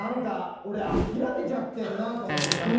俺、諦めちゃってるなと思って。